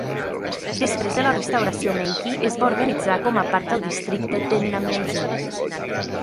Després de la restauració Meiji, es va organitzar com a part del districte de Minamiaizu.